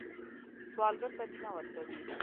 سوالګر ته مینه ورکوئ